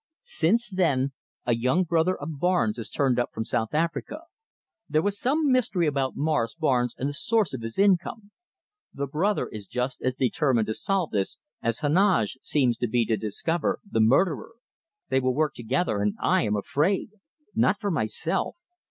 "Since then, a young brother of Barnes has turned up from South Africa. There was some mystery about Morris Barnes and the source of his income. The brother is just as determined to solve this as Heneage seems to be to discover the the murderer! They will work together, and I am afraid! Not for myself!